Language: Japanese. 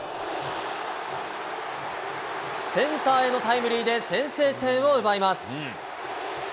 センターへのタイムリーで先制点を奪います。